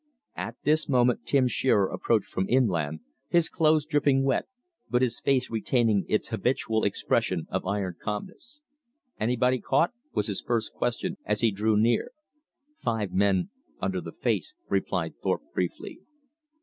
At this moment Tim Shearer approached from inland, his clothes dripping wet, but his face retaining its habitual expression of iron calmness. "Anybody caught?" was his first question as he drew near. "Five men under the face," replied Thorpe briefly.